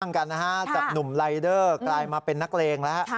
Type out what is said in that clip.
กันนะฮะจากหนุ่มรายเดอร์กลายมาเป็นนักเลงแล้ว